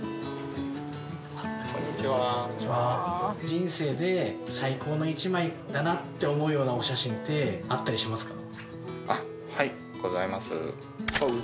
人生で最高の１枚だなって思うようなお写真ってあったりしますか？